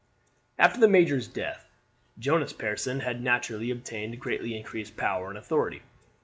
After the major's death, Jonas Pearson had naturally obtained greatly increased power and authority.